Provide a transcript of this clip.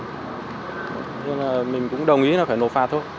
nhưng mà mình cũng đồng ý là phải nộp phạt thôi